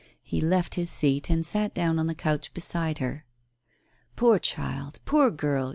He left his seat and sat down on the couch beside her. " Poor child ! poor girl